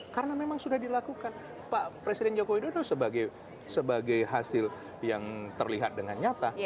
karena memang sudah dilakukan pak presiden joko widodo sebagai hasil yang terlihat dengan nyata